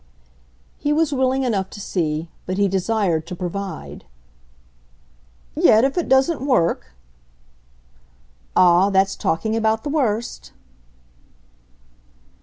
He was willing enough to see, but he desired to provide ! "Yet if it doesn't work?" "Ah, that's talking about the worst!"